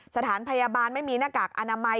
สถานพยาบาลไม่มีหน้ากากอนามัย